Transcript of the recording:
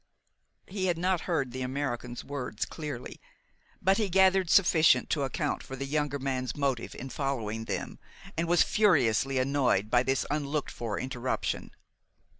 He had not heard the American's words clearly; but he gathered sufficient to account for the younger man's motive in following them, and was furiously annoyed by this unlooked for interruption.